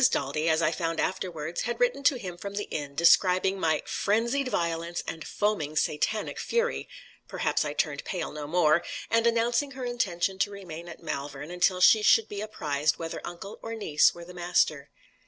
Daldy, as I found afterwards, had written to him from the inn, describing my "frenzied violence, and foaming Satanic fury" perhaps I turned pale, no more and announcing her intention to remain at Malvern, until she should be apprised whether uncle or niece were the master.